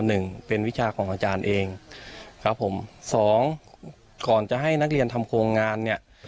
หนึ่งเป็นวิชาของอาจารย์เองครับผมสองก่อนจะให้นักเรียนทำโครงงานเนี่ย